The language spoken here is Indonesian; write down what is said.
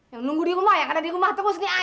yang nunggu di rumah yang ada di rumah terus nih